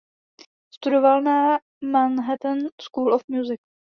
Studoval na Manhattan School of Music.